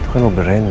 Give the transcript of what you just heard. itu kan mobil rendy